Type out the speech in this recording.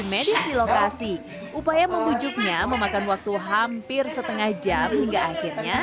medis di lokasi upaya membujuknya memakan waktu hampir setengah jam hingga akhirnya